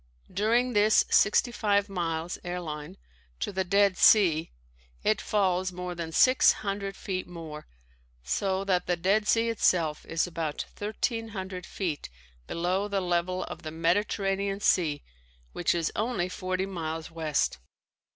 During this sixty five miles (airline) to the Dead Sea, it falls more than six hundred feet more, so that the Dead Sea itself is about thirteen hundred feet below the level of the Mediterranean Sea which is only forty miles west.